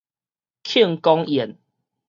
慶功宴